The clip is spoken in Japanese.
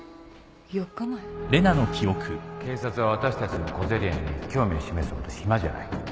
警察は私たちの小競り合いに興味を示すほど暇じゃない